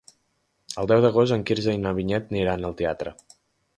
El deu d'agost en Quirze i na Vinyet iran al teatre.